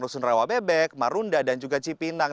rusun rewabebek marunda dan juga cipinang